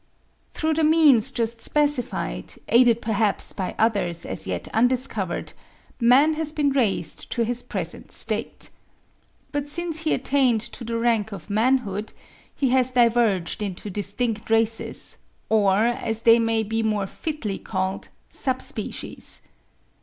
Through the means just specified, aided perhaps by others as yet undiscovered, man has been raised to his present state. But since he attained to the rank of manhood, he has diverged into distinct races, or as they may be more fitly called, sub species.